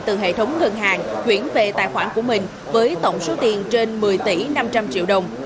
từ hệ thống ngân hàng chuyển về tài khoản của mình với tổng số tiền trên một mươi tỷ năm trăm linh triệu đồng